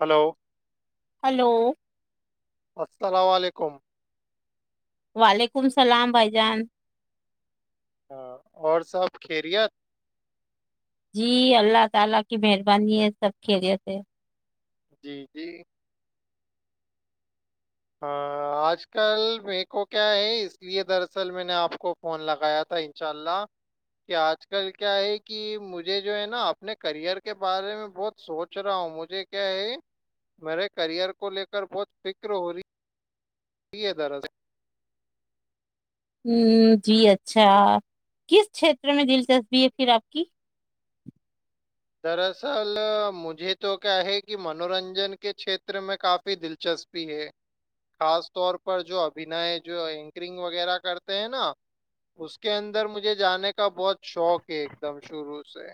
hello [inaudible] hello [inaudible] السلام علیکم [unintelligible] وعلیکم اللام بھائی جان ہاں اور سب خریت جی اللہ تعالی کی مہربانی ہے سب خیریت ہے جی جی [inaudible] ہاں آج کل میر کو کیا ہے اس لیے دراصل میں نے آپ کو فون لگایا تھا ان شاء اللہ کہ آج کل کیا ہے کہ مجھے جو ہے نا اپنے کرئر کے بارے میں بہت سوچ رہا ہوں مجھے کیا ہے میرے کرئر کو لے کر بہت فکر ہو رہی جی ہے دراص [unintelligible] ہ جی اچھا کس چھیت میں دلچسپی ہے پھر آپ کی دراصل مجھے تو کیا ہے کہ منورنجن کے چھیتر میں کافی دلچسپی ہے خاص طور پر جو ابھینئے جو اینکرنگ وغیرہ کرتے ہیں نا اس کے اندر مجھے جانے کا بہت شوق ہے ایک دم شروع سے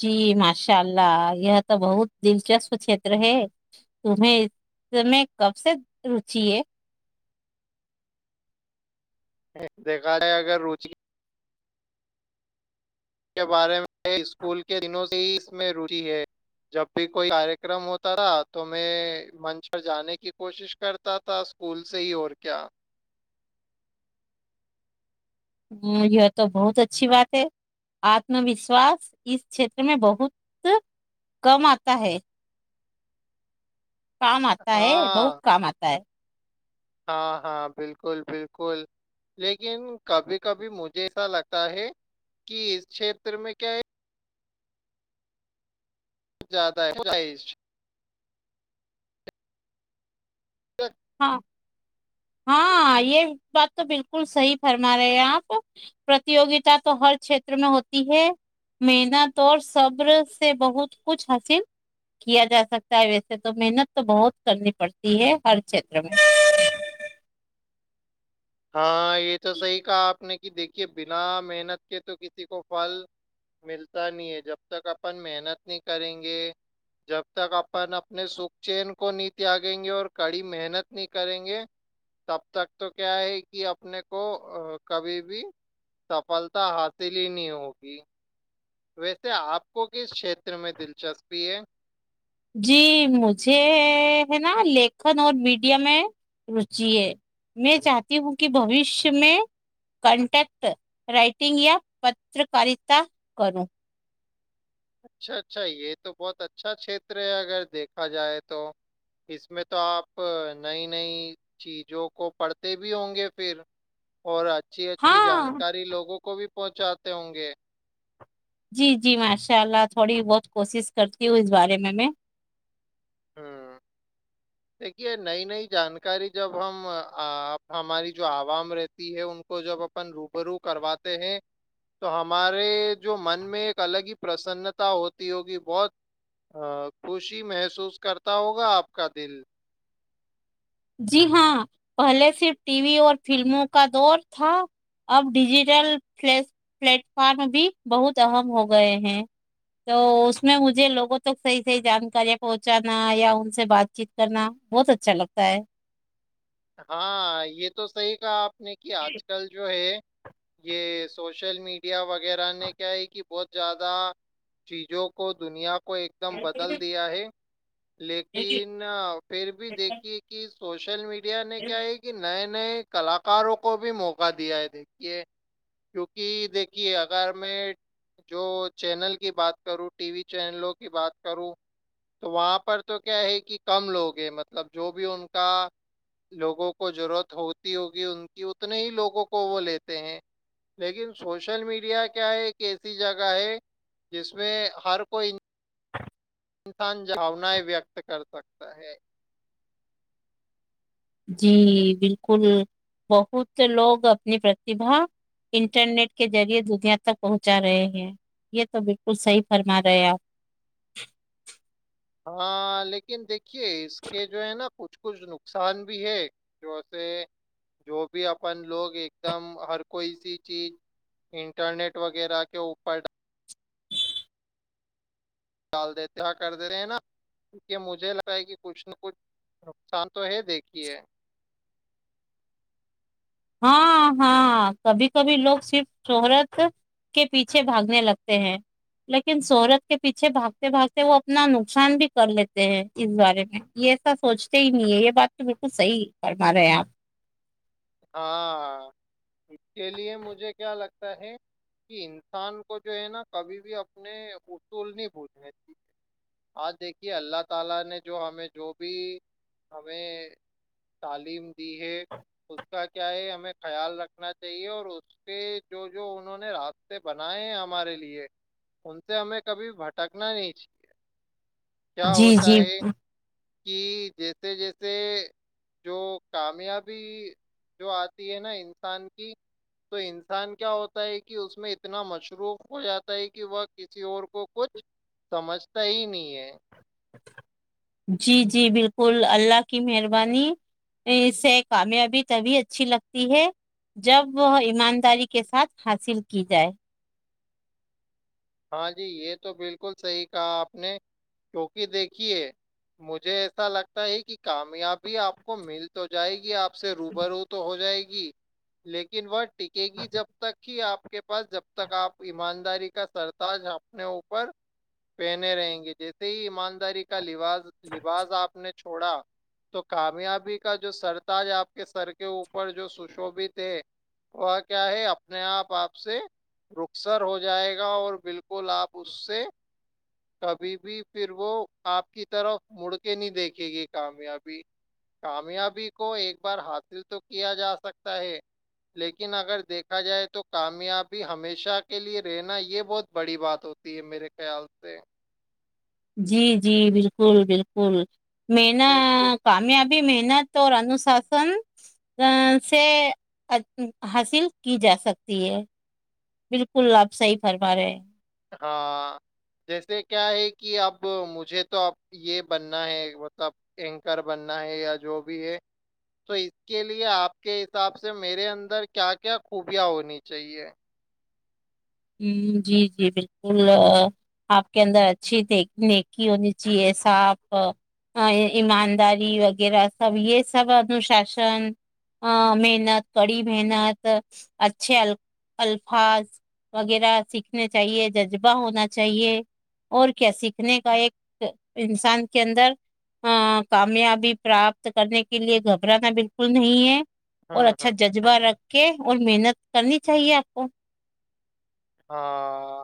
جی ماشاء اللہ یہ تو بہت دلچسپ چھیتر ہے تمیں اس میں کب سے روچی ہے دیکھا ہے اگر روچی کے بارے میں [unintelligible] اسکول کے دنوں سے اس میں روچ ہے جب بھی کوئی کارکرم ہوتا تھا تو میں منچ پر جانے کی کوشش کرتا تھا اسکول سے ہی اور کیا ہ یہ تو بہت اچھی بات ہے آتم وشواس اس چھیتر میں بہت کم آتا ہے کام آتا ہے بہت ہاں کام آتا ہے ہاں ہاں بالکل بالکل لیکن کبھی کبھی مجھے ایسا لگتا ہے کہ اس چھیتر میں کیا ہے زیادہ ہے [inaudible] ہاں ہاں یہ بات تو بالکل صحی فرما رہے ہیں آپ پرتوگتا تو ہر چھیتر میں ہوتی ہے محنت اور سبر سے بہت کچھ حاصل کیا جا سکتا ہے ویسے تو محنت تو بہت کرنی پڑتی ہے ہر چت میں [inaudible] ہاں [inaudible] یہ تو صحیح کہا آپ نے کہ دیکھیے بنا محنت کے تو کسی کو فھل ملتا نہیں ہے جب تک اپن محنت نہیں کریں گے جب تک اپن اپنے سکھ چین کو نہیں تیاگیں گے اور کڑی محنت نہیں کریں گے تب تک تو کیا ہے کہ اپنے کو کبھی بھی سفلتا حاصل ہی نہیں ہوگی ویسے آپ کو کس چھیتر میں دلچسپی ہے [unintelligible] جی مجھے ہے نا لکھن اور میڈیا میں روچی ہے میں چاہتی ہوں کہ بوشیہ میں کنٹیکٹ رائٹنگ یا پتکارتا کروں اچھا اچھا یہ تو بہت اچھا چھیتر ہے اگر دیکھا جائے تو اس میں تو آپ نئی نئی چیزوں کو پڑھتے بھی ہوں گے پھر اور اچھی اچھی ہاں جانکاری لوگوں کو بھی پہنچاتے ہوں گے [unintelligible] جی جی ماشاء اللہ تھوڑی بہت کوشش کرتی ہوں اس بارے میں میں ہاں [inaudible] دیکھیے نئی نئی جانکاری جب ہم ہماری جو عوام رہتی ہے ان کو جب اپن روب رو کرواتے ہیں تو ہمارے جو من میں ایک الگ ہی پرسنتا ہوتی ہوگی بہت خوشی محسوس کرتا ہوگا آپ کا دل جی ہاں پہلے صرف ٹی وی اور فلموں کا دور تھا اب ڈیجیٹل پ پلیٹ فارم بھی بہت اہم ہو گئے ہیں تو اس میں مجھے لوگوں تک صحیح صحیح جانکاریاں پہنچانا یا ان سے بات چیت کرنا بہت اچھا لگتا سائے [unintelligible] ہاں یہ تو صحیح کا آپ نہیں کہ آج کل جو ہے یہ سوشل میڈیا ویرہ ران نے کیا ہے کہ بہت زیادہ چیزوں کو دنیا پر کو ایک دم بدل دیا ہے لیکن پھر بھی دیکھیے کہ سوشل میڈیا نے کیا ہے کہ نائن نے کلاکاروں کو بھی موقع دیا ہے دیکھیے کیوںکہ دیکھیے اگر میں جو چینل کی بات کروں ٹی وی چینلوں کی بات کروں تو وہاں پر تو کیا ہے کہ کم لوگ ہیں مطلب جو بھی ان کا لوگوں کو ضرورت ہوتی ہوگی ان کی اتنے ہی لوگوں کو وہ لیتے ہیں لیکن سوشل میڈیا کیا ہے ایک ایسی جگہ ہے جس میں ہر کوئی ھانایں وت کرتا پٹ ہے جی بالکل بہت لوگ اپنی پرتھا انٹرنیٹ کے ذریعے دنیا تک پہنچا رہے ہیں یہ تو بالکل صحی فرما رہے آپ ہاں لیکن دیکھیے کہ اس کے جو ہے نا کچ کچھ کچھ نقصان بھی ہے جوسے جو بھی اپن لوگ ایک دم ہر کوئی سی چیز انٹرنیٹ وغیرہ کے اوپر ڈال دیتے کر دیتے ہیں نا کی مجھے لگ رہا ہے کہ کچھ نہ کچھ نقصان تو ہے دیکھیے ہاں ہاں کبھی کبھی لوگ صرف شہرت کے پیچھے بھاگنے لگتے ہیں لیکن شہرت کے پیچھے بھاگتے بھاگتے وہ اپنا نقصان بھی کر لیتے ہیں اس بارے میں یہ ایسا سوچتے ہی نہیں ہے یہ بات تو بالکل صحیح کرما رہے آپ ہ اس کا کیا ہے ہمیں خیال رکھنا چاہیے اور اس کے جو جو انہوں نے راستے بنائے ہیں ہمارے لیے ان سے ہمیں کبھی بھٹکنا نہیں چاہیے کیا جی ہوتا جی ہے کہ جیسے جیسے جو کامیابی جو آتی ہے نا انسان کی تو انسان کیا ہوتا ہے کہ اس میں اتنا مصروف ہو جاتا ہے کہ وہ کسی اور کو کچھ سمجھتا ہی نہیں ہے جی جی بالکل اللہ کی مہربانی سے کامیابی تبھی اچھی لگتی ہے جب وہ ایمانداری کے ساتھ حاصل کی جائے ہاں جی یہ تو بالکل صحیح کہا آپ نے کیونکہ دیکھیے مجھے ایسا لگتا ہے کہ کامیابی آپ کو مل تو جائے گی آپ سے روب رو تو ہو جائے گی گ لیکن وہ ٹکے گی جب تک کہ آپ کے پاس جب تک آپ ایمانداری کا سرد ج اپنے اوپر پہنے رہیں گے جیسے ہی ایمانداری کا ل لا لباس آپ نے چھوڑا تو کامیابی کا جو سرتاج آپ کے سر کے اوپر جو سشوبت ہے وہ کیا ہے اپنے آپ آپ سے رخسر ہو جائے گا اور بالکل آپ اس سے کبھی بھی پھر وہ آپ کی طرف مڑ کے نہیں دیکھے گی کامیابی کامیابی کو ایک بار حاصل تو کیا جا سکتا ہے لیکن اگر دیکھا جائے تو کامیابی ہمیشہ کے لیے رہنا یہ بہت بڑی بات ہوتی ہے میرے خیال سے جی جی بالکل بالکل میں نا ویسے کامیاب بھی محنت اور انوشاسن سے حاصل کی جا سکتی ہے بالکل آپ صحی فرما رہے ہیں ہاں جیسے کیا ہے کہ اب مجھے تو اب یہ بننا ہے مطلب اینکر بننا ہے یا جو بھی ہے تو اس کے لیے آپ کے حساب سے میرے اندر کیا کیا خوبیاں ہونی چاہیے ہ جی جی بالکل آپ کے اندر اچھی نیکی ہونی چاہیے صاپ ایمانداری وغیرہ سب یہ سب انوشاسن محنت کڑی محنت اچھے ال الفاظ وغیرہ سیکھنے چاہیے جذبہ ہونا چاہیے اور کیا سیکھنے کا ایک انسان کے اندر کامیابی پراپت کرنے کے لیے گھبرانا بالکل نہیں ہے اور ہوں اچھا ہوں جذبہ رکھ کے اور محنت کرنی چاہیے آپ کو ہاں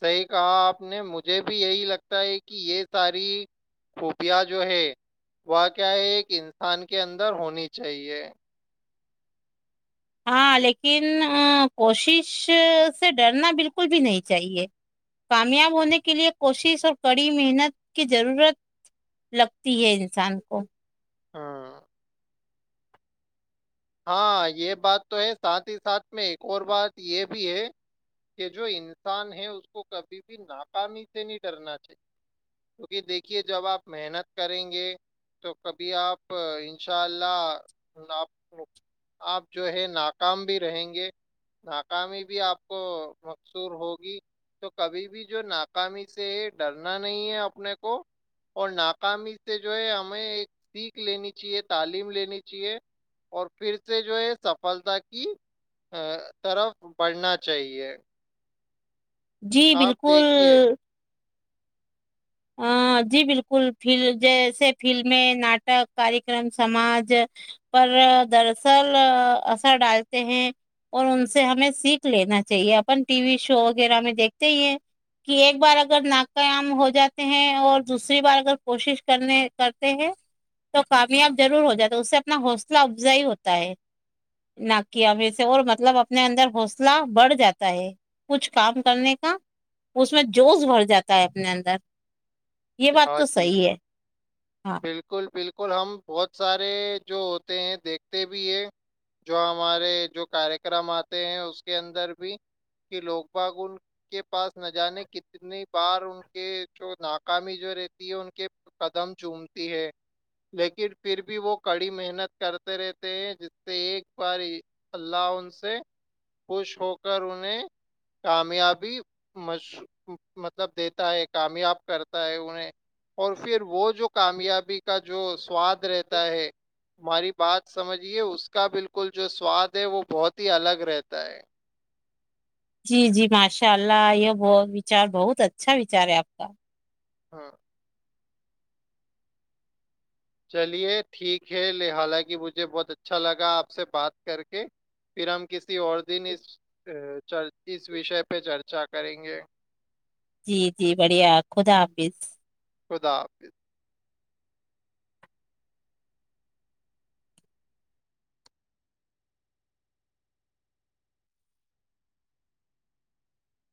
صحیح کہا آپ نے مجھے بھی یہی لگتا ہے کہ یہ ساری خوبیاں جو ہے وہ کیا ہے ایک انسان کے اندر ہونی چاہیے ہاں لیکن کوشش سے ڈرنا بالکل بھی نہیں چاہیے کامیاب ہونے کے لیے کوشش اور کڑی محنت کی ضرورت لگتی ہے انسان کو ہاں ہاں یہ بات تو ہے ساتھ ہی ساتھ میں ایک اور بات یہ بھی ہے کہ جو انسان ہے اس کو کبھی بھی ناکامی سے نہیں ڈرنا چاہیے کیونکہ دیکھیے جب آپ محنت کریں گے تو کبھی آپ انشاء اللہپ آپ جو ہے ناکام بھی رہیں گے ناکامی بھی آپ کو مقصور ہوگی تو کبھی بھی جو ناکامی سے ڈرنا نہیں ہے اپنے کو اور ناکامی سے جو ہے ہمیں ایک سیکھ لینی چاہیے تعلیم لینی چاہیے اور پھر سے جو ہے سفلتا کی طرف بڑھنا چاہیے جی آپ بالکل دیکھیے جی بالکل ف جیسے فلمیں ناٹک کارکرم سماج پر دراصل اثر ڈالتے ہیں اور ان سے ہمیں سیکھ لینا چاہیے اپن ٹی وی شو وغیرہ میں دیکھتے ہی ہیں کہ ایک بار اگر نقیام ہو جاتا اور دوسری بار اگر کوشش کرنے کرتے ہیں تو کامیاب ضرور ہو جاتا اس سے اپنا حوصلہ افزائی ہوتا ہے نہ کیا میں سے اور مطلب اپنے اندر حوصلہ بڑھ جاتا ہے کچھ کام کرنے کا اس میں جوش بھر جاتا ہے اپنے اندر یہ بات ہاں تو جی صحیح ہے ہاں بالکل بالکل ہم بہت سارے جو ہوتے ہیں دیکھتے بھی ہے جو ہمارے جو کاریہ کررم آتے ہیں اس کے اندر بھی کہ لوگ باگ ان کے پاس نہ جانے کتنی بار ان کے جو ن ی جو رہتی ہے ان کے قدم جومتی ہے لیکن پھر بھی وہ کڑی محنت کرتے رہتے ہیں جس سے ایک بار اللہ ان سے خوش ہو کر انہیں کامیابی م مطلب دیتا ہے کامیاب کرتا ہے انہیں اور پھر وہ جو کامیابی کا جو سواد رہتا ہے ہماری بات سمجھیے اس کا بالکل جو سواد ہے وہ بہت ہی الگ رہتا ہے جی جی ماشاء اللہ یہ ب وچار بہت اچھا وچار ہے آپ کا ہاں چلیے ٹھیک ہے حالانکہ مجھے بہت اچھا لگا آپ سے بات کر کے پھر ہم کسی اور دن اس اس وشے پہ چرچا کریں گے جی جی بڑھیا خدا حاپظ خدا حافظ